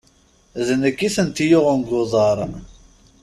D nekk i tent-yuɣen g uḍaṛ.